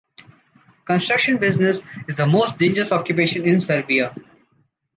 Construction business is the most dangerous occupation in Serbia.